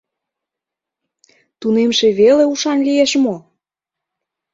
Тунемше веле ушан лиеш мо?